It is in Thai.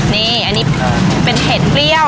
นี่อันนี้เป็นเห็ดเปรี้ยว